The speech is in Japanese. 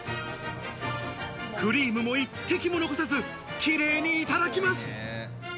クリームも一滴も残さず、きれいにいただきます。